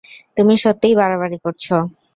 তুমি সত্যিই বাড়াবাড়ি করছো।